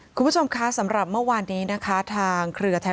คุณผู้ชมคะสำหรับเมื่อวานนี้นะคะทางเครือไทยรัฐ